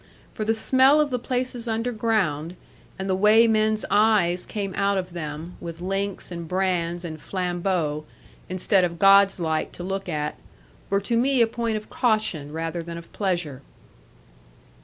For the smell of the places underground, and the way men's eyes came out of them, with links, and brands, and flambeaux, instead of God's light to look at, were to me a point of caution, rather than of pleasure.